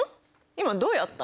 今どうやった？